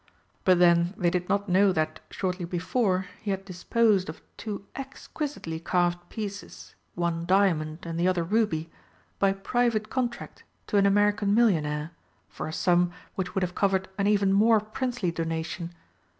But then they did not know that, shortly before, he had disposed of two exquisitely carved pieces one diamond, and the other ruby by private contract to an American millionaire, for a sum which would have covered an even more princely donation.